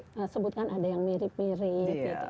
tadi mbak desi sebutkan ada yang mirip mirip